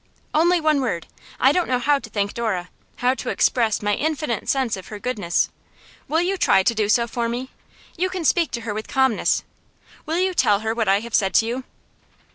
'Only one word. I don't know how to thank Dora, how to express my infinite sense of her goodness. Will you try to do so for me? You can speak to her with calmness. Will you tell her what I have said to you?